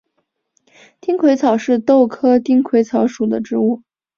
丁癸草是豆科丁癸草属的植物。